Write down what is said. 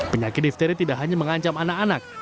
penyakit difteri tidak hanya mengancam anak anak